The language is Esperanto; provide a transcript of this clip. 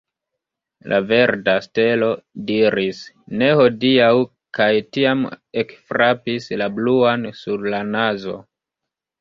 La verda stelo diris, ne hodiaŭ, kaj tiam ekfrapis la bluan sur la nazo.